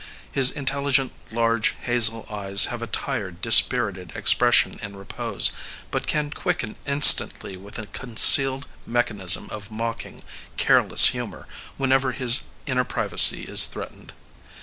His intelligent, large hazel eyes have a tired, dispirited expression in repose, but can quicken instantly with a concealed mechanism of mocking, careless humour whenever his inner privacy is threatened.